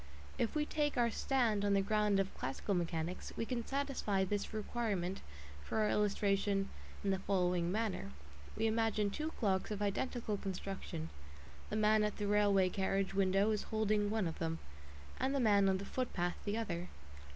If we take our stand on the ground of classical mechanics, we can satisfy this requirement for our illustration in the following manner. We imagine two clocks of identical construction ; the man at the railway carriage window is holding one of them, and the man on the footpath the other.